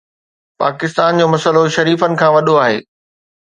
پاڪستان جو مسئلو شريفن کان وڏو آهي.